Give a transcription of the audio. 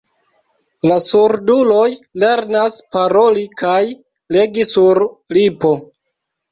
La surduloj lernas paroli kaj legi sur lipo.